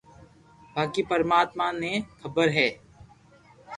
باقي پرماتما ني خبر ھي